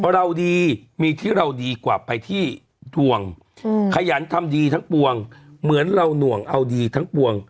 เราดีมีที่เราดีกว่าไปที่ทวงขยันทำดีทั้งปวงเหมือนเราหน่วงเอาดีทั้งปวง